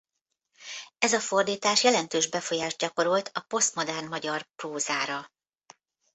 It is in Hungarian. Ez a fordítás jelentős befolyást gyakorolt a posztmodern magyar prózára.